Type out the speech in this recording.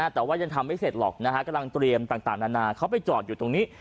แต่ว่ายังทำไม่เสร็จหรอกนะฮะกำลังเตรียมต่างนานาเขาไปจอดอยู่ตรงนี้